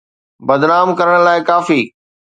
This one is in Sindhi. بدنام ڪرڻ لاءِ ڪافي.